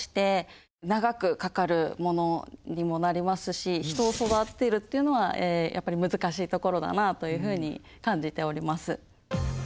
私どもの方で人を育てるっていうのはやっぱり難しいところだなあというふうに感じております。